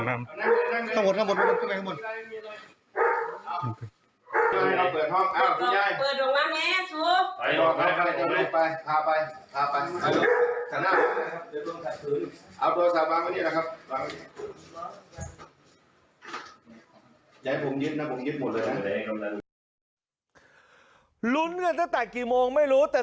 ตัวสาธารณ์วันนี้ล่ะครับ